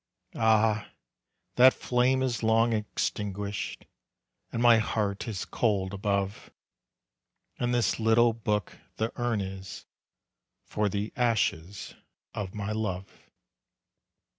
Ah, that flame is long extinguished! And my heart is cold above. And this little book the urn is For the ashes of my love.